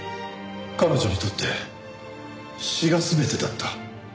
彼女にとって詩が全てだった。